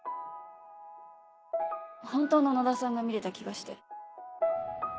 本当の野田さんが見れた気がして。